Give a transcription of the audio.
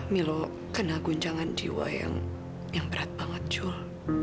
milo kena guncangan jiwa yang berat banget jul